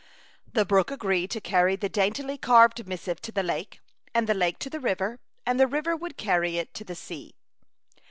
The brook agreed to carry the daintily carved missive to the lake, and the lake to the river, and the river would carry it to the sea.